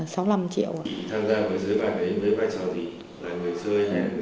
chị tham gia sới bạc ấy với vai trò gì là người chơi hay là người đi chơi